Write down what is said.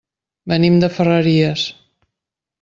Venim de Ferreries.